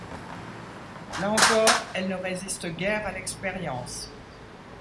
Là encore, elle ne résiste guère à l'expérience.